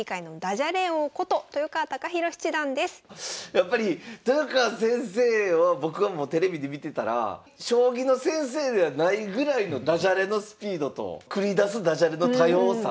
やっぱり豊川先生は僕はもうテレビで見てたら将棋の先生ではないぐらいのダジャレのスピードと繰り出すダジャレの多様さ。